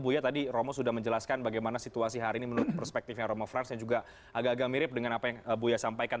buya tadi romo sudah menjelaskan bagaimana situasi hari ini menurut perspektifnya romo frans yang juga agak agak mirip dengan apa yang buya sampaikan